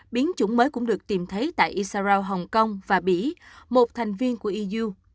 biến chủng mới cũng được tìm thấy tại israel hồng kông và bỉ một thành viên của eu